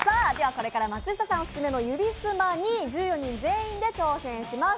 これから松下さんオススメの指スマに１４人全員で挑戦します。